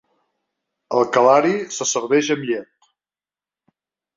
El kalari se serveix amb llet.